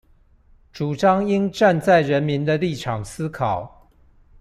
主張應站在人民的立場思考